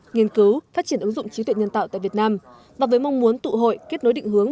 nghiên cứu phát triển ứng dụng trí tuệ nhân tạo tại việt nam và với mong muốn tụ hội kết nối định hướng